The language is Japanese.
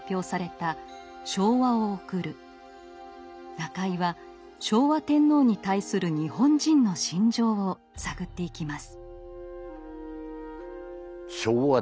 中井は昭和天皇に対する日本人の心情を探っていきます。